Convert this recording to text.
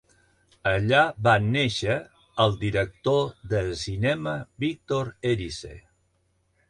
Allà va néixer el director de cinema Víctor Erice.